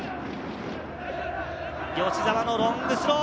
吉澤のロングスロー。